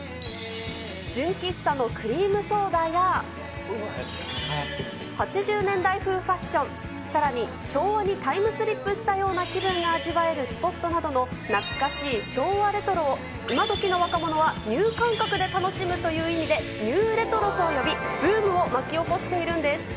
純喫茶のクリームソーダや、８０年代風ファッション、さらに昭和にタイムスリップしたような気分が味わえるスポットなどの懐かしい昭和レトロを、今どきの若者はニュー感覚で楽しむという意味で、ニューレトロと呼び、ブームを巻き起こしているんです。